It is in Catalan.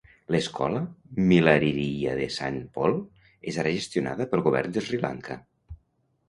L'Escola Milagiriya de Saint Paul és ara gestionada pel Govern de Sri Lanka.